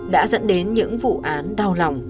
đã dẫn đến những vụ án đau lòng